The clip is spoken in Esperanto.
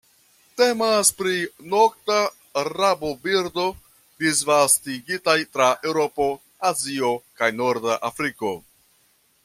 Temas pri nokta rabobirdo, disvastigitaj tra Eŭropo, Azio kaj norda Afriko.